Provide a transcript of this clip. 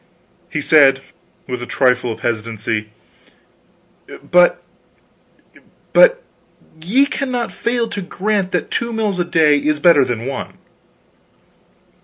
He said, with a trifle of hesitancy: "But but ye cannot fail to grant that two mills a day is better than one."